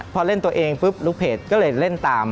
พอเล่นตัวเองปุ๊บลูกเพจก็เลยเล่นตาม